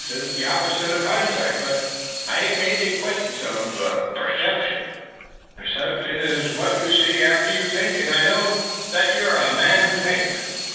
It's the opposite uv hindsight, but I ain't made the acquaintance uv perception." "Perception is what you see after you think, and I know that you're a man who thinks."